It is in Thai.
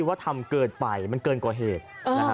ว่าทำเกินไปมันเกินกว่าเหตุนะฮะ